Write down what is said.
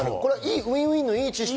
ウィンウィンのいいシステム。